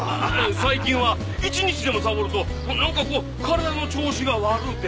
最近は一日でもサボるとなんかこう体の調子が悪うて。